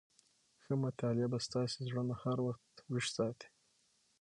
ښه مطالعه به ستاسي زړونه هر وخت ويښ ساتي.